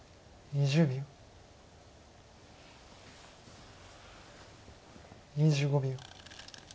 ２５秒。